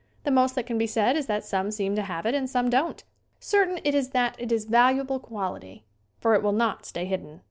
The most that can be said is that some seem to have it and some don't. Certain it is that it is valuable quality, for it will not stay hidden.